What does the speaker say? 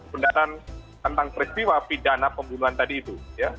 pendapatan tentang prisiwa pidana pembunuhan tadi itu